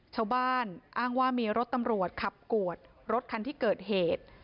ชาวบ้านอ้างว่ามีรถตำรวจขับกวดรถคันที่เกิดเหตุ